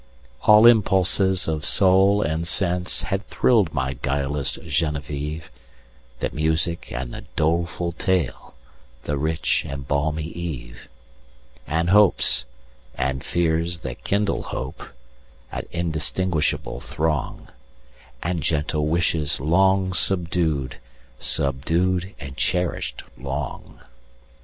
All impulses of soul and senseHad thrill'd my guileless Genevieve; The music and the doleful tale, The rich and balmy eve; And hopes, and fears that kindle hope, An undistinguishable throng, And gentle wishes long subdued, Subdued and cherish'd long!